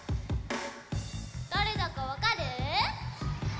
だれだかわかる？わかる！